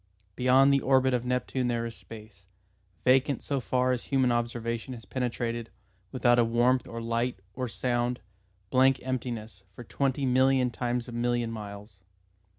Beyond the orbit of Neptune there is space, vacant so far as human observation has penetrated, without warmth or light or sound, blank emptiness, for twenty million times a million miles.